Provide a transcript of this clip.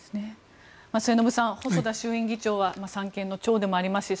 末延さん、細田衆院議長は三権の長でもありますし